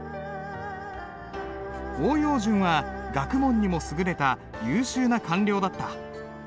欧陽詢は学問にも優れた優秀な官僚だった。